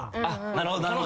なるほどなるほど。